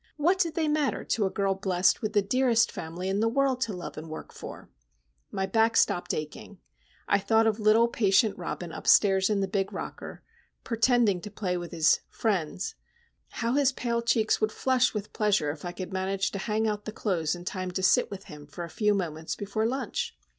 What did they matter to a girl blessed with the dearest family in the world to love and work for? My back stopped aching. I thought of little patient Robin upstairs in the big rocker, "pertending" to play with his "friends,"—how his pale cheeks would flush with pleasure if I could manage to hang out the clothes in time to sit with him a few moments before lunch.